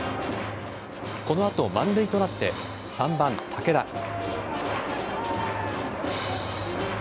このあと満塁となって３番・武田。